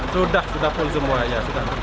sudah sudah pul semua ya